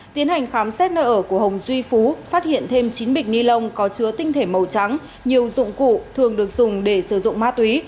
tiến hành khám xét nơi ở của hồng duy phú phát hiện thêm chín bịch ni lông có chứa tinh thể màu trắng nhiều dụng cụ thường được dùng để sử dụng ma túy